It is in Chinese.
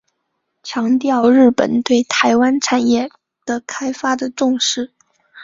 强调日本对台湾产业开发的重视。